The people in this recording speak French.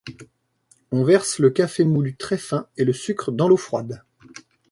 On verse le café moulu très fin et le sucre dans l'eau froide.